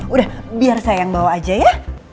udah biar saya yang bawa aja ya